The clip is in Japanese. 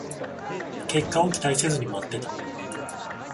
結果を期待せずに待ってた